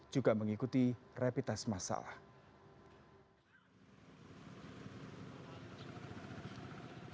juga mengikuti repitest masalah